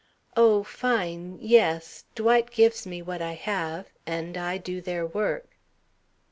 "Oh, fine, yes. Dwight gives me what I have. And I do their work."